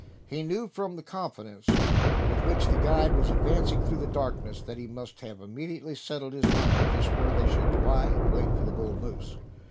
He knew from the confidence with which the guide was advancing through the darkness that he must have immediately settled in his mind just where they should lie in wait for the bull moose.